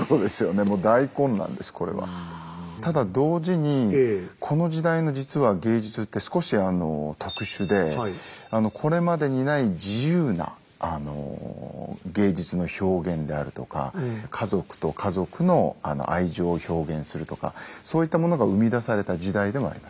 ただ同時にこの時代の実は芸術って少し特殊でこれまでにない自由な芸術の表現であるとか家族と家族の愛情を表現するとかそういったものが生み出された時代でもあります。